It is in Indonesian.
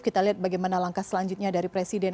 kita lihat bagaimana langkah selanjutnya dari presiden